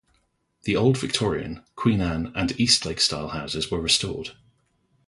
The old Victorian, Queen Anne and Eastlake style houses were restored.